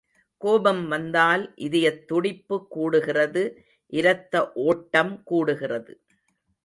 கோபம் வந்தால் இதயத் துடிப்பு கூடுகிறது இரத்த ஒட்டம் கூடுகிறது.